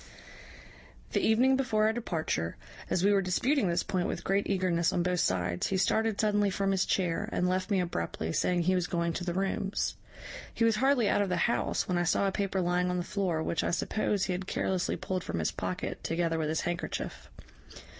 "The evening before our departure, as we were disputing this point with great eagerness on both sides, he started suddenly from his chair, and left me abruptly, saying he was going to the rooms. He was hardly out of the house when I saw a paper lying on the floor, which, I suppose, he had carelessly pulled from his pocket, together with his handkerchief.